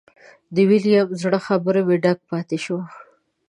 د ویلیم زړه خبرو مې ډک پاتې شو.